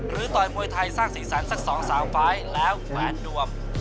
หรือต่อยมวยไทยสร้างสี่สันสักสองสาวฟ้ายแล้วแขวนดวม